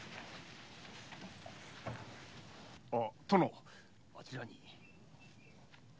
殿こちらに。